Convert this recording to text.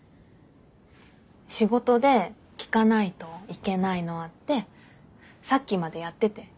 仕事で聴かないといけないのあってさっきまでやってて。